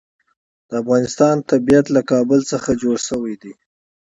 د افغانستان طبیعت له کابل څخه جوړ شوی دی.